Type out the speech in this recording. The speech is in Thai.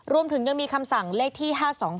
รวมถึงยังมีคำสั่งเลขที่๕๒๒